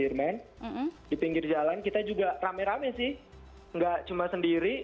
di jalan sudirmen di pinggir jalan kita juga rame rame sih enggak cuma sendiri